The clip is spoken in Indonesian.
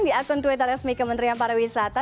di akun twitter resmi kementerian pariwisata